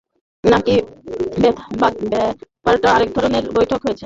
নাকি ব্যাপারটা একধরনের বৈঠক হয়েছে বৈঠক হয়নি গোছের কিছু হওয়ার সম্ভাবনাই বেশি?